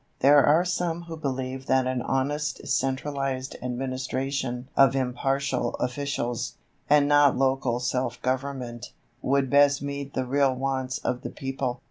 There are some who believe that an honest centralized administration of impartial officials, and not Local Self Government, would best meet the real wants of the people.